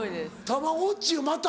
たまごっちまた。